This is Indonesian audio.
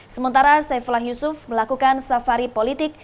sementara saifullah yusuf melakukan safari politik